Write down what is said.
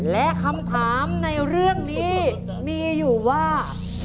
และคำถามในเรื่องนี้มีอยู่ว่า